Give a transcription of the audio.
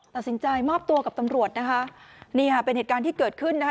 ตัดสินใจมอบตัวกับตำรวจนะคะนี่ค่ะเป็นเหตุการณ์ที่เกิดขึ้นนะคะ